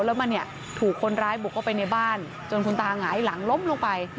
แล้วมันเนี่ยถูกคนร้ายบุกเข้าไปในบ้านจนคุณตาหงายหลังล้มลงไป